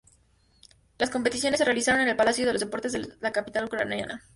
Las competiciones se realizaron en el Palacio de los Deportes de la capital ucraniana.